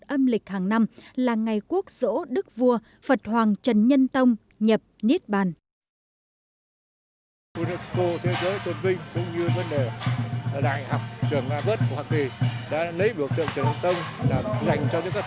một mươi một âm lịch hàng năm là ngày quốc dỗ đức vua phật hoàng trần nhân tông nhập niết bàn